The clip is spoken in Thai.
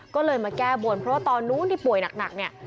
ก็เลยมาแก้บนเพราะว่าตอนนู้นที่ป่วยหนักเนี่ย